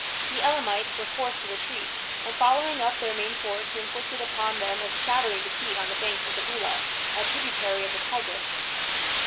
The Elamites were forced to retreat, and following up their main force he inflicted upon them a shattering defeat on the banks of the Ula, a tributary of the Tigris.